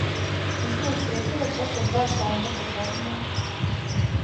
Писмо је уследило после два чланка тог новинара.